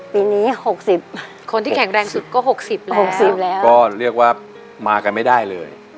ปีนี้หกสิบคนที่แข็งแรงสุดก็๖๐แล้ว๖๐แล้วก็เรียกว่ามากันไม่ได้เลย